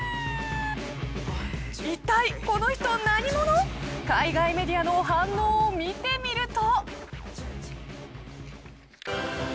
一体、この人何者海外メディアの反応を見てみると。